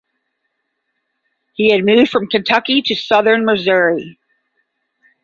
He had moved from Kentucky to southern Missouri.